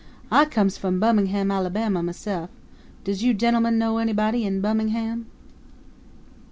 I comes from Bummin'ham, Alabama, myse'f. Does you gen'lemen know anybody in Bummin'ham?"